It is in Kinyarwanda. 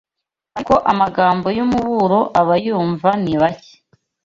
ariko amagambo y’umuburo abaymva nibake